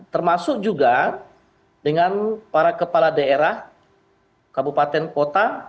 termasuk juga dengan para kepala daerah kabupaten kota